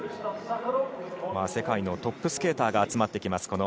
世界のトップスケーターが集まってきます